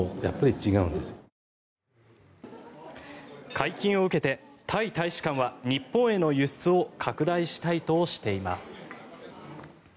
解禁を受けてタイ大使館は日本への輸出を拡大したいとしています。